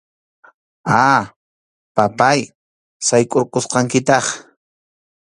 A, papáy, saykʼurqusqankitaq.